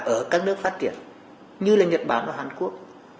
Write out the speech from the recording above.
ở các nước phát triển như là nhật bản và hàn quốc